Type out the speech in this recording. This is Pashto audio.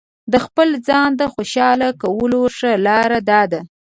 د خپل ځان د خوشاله کولو ښه لاره داده.